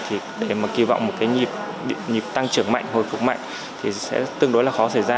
thì để mà kỳ vọng một cái nhịp tăng trưởng mạnh hồi phục mạnh thì sẽ tương đối là khó xảy ra